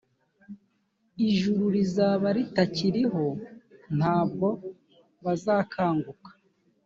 ijuru rizaba ritakiriho ntabwo bazakanguka